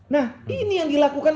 nah ini yang dilakukan